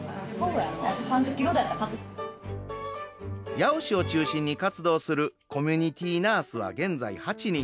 八尾市を中心に活動するコミュニティナースは現在８人。